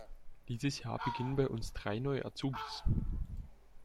Dieses Jahr beginnen bei uns drei neue Azubis.